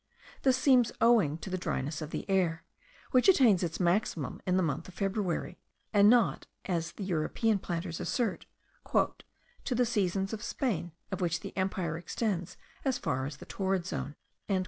This seems owing to the dryness of the air, which attains its maximum in the month of February; and not, as the European planters assert, "to the seasons of Spain, of which the empire extends as far as the torrid zone."